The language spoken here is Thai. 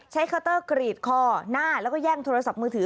เคาน์เตอร์กรีดคอหน้าแล้วก็แย่งโทรศัพท์มือถือ